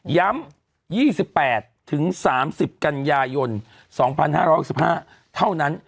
ย้ำ๒๘๓๐กันยายน๒๕๖๕เท่านั้น